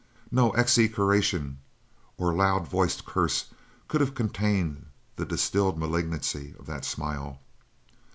No execration or loud voiced curse could have contained the distilled malignancy of that smile.